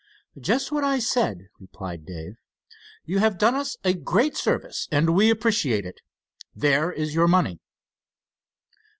"Just what I said," replied Dave. "You have done us a great service and we appreciate it. There is your money."